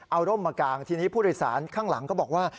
เอาร่มมากางทีนี้ผู้โดยสารข้างหลังก็บอกว่า